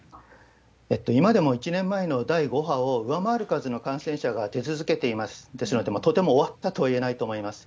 今でも１年前の第５波を上回る数の感染者が出続けていますので、とても終わったとはいえないと思います。